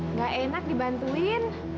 nggak enak dibantuin